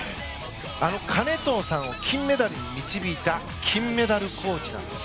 あの金藤さんを金メダルに導いた金メダルコーチなんです。